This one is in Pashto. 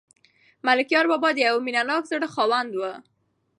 ملکیار بابا د یو مینه ناک زړه خاوند و.